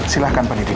silahkan pak didin